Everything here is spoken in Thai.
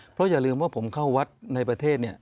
เพราะอย่าลืมว่าผมเข้าวัดในประเทศเนี่ย